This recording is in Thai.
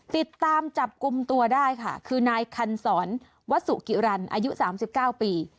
ติดตามจับกลุ่มตัวได้ค่ะคือนายคันศรวสุกิรันอายุ๓๙ปี